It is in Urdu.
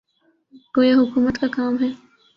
گویا حکومت کا کام ہے۔